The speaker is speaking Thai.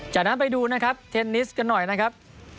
จากนั้นไปดูนะครับเทนนิสกันหน่อยนะครับ